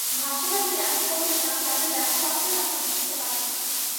ভাষাটা তিনি এমন করতে চান, যাতে দেখামাত্রই আপনি বুঝতে পারেন।